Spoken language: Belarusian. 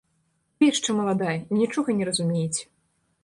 Вы яшчэ маладая і нічога не разумееце!